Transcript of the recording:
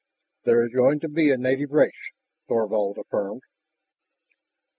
"There is going to be a native race," Thorvald affirmed.